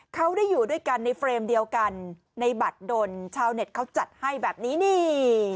เขาได้อยู่ด้วยกันในเฟรมเดียวกันในบัตรดนชาวเน็ตเขาจัดให้แบบนี้นี่